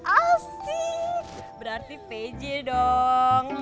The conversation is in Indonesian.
asik berarti pj dong